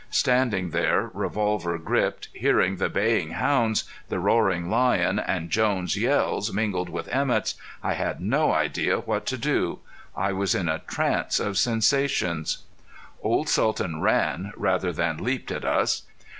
Standing there, revolver gripped, hearing the baying hounds, the roaring lion, and Jones' yells mingled with Emett's, I had no idea what to do. I was in a trance of sensations. Old Sultan ran rather than leaped at us.